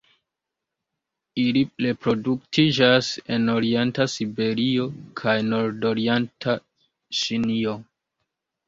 Ili reproduktiĝas en orienta Siberio kaj nordorienta Ĉinio.